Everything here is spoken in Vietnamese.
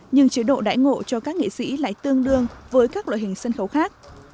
nhưng chế độ đại ngộ cho các nghệ sĩ lại tương đương với các loại hình sân khấu khác